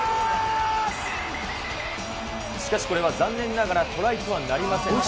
しかしこれは残念ながらトライとはなりませんでした。